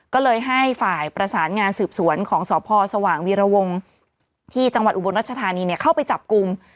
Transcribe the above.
ก็เลยให้ฝ่ายประสานงานสืบสวนของสพสว่างวีรวงที่จังหวัดอุบลรัชธานีเข้าไปจับกลุ่ม